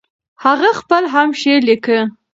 هغه خپله هم شعر ليکه.